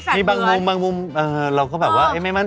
ชานะคนพี่ชาลีคนน้อง